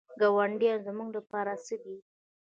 ګاونډیان زموږ لپاره څه دي؟